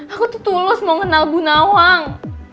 aku tuh tulus mau kenal bu nawang